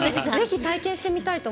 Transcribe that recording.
体験してみたい。